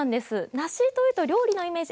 梨というと料理のイメージ